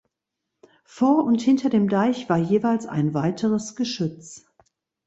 Vor und hinter dem Deich war jeweils ein weiteres Geschütz.